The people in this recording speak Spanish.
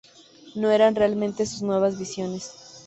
No eran realmente sus nuevas visiones.